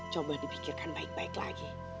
coba dipikirkan baik baik lagi